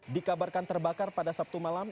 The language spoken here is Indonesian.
dikabarkan terbakar pada sabtu malam